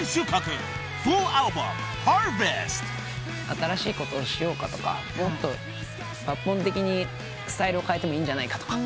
新しいことをしようかとかもっと抜本的にスタイルを変えてもいいんじゃないかとか。